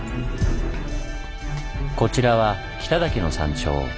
こちらは北岳の山頂。